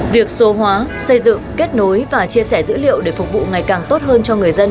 việc số hóa xây dựng kết nối và chia sẻ dữ liệu để phục vụ ngày càng tốt hơn cho người dân